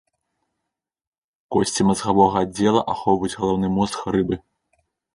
Косці мазгавога аддзела ахоўваюць галаўны мозг рыбы.